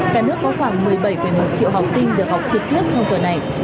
cả nước có khoảng một mươi bảy một triệu học sinh được học trực tiếp trong tuần này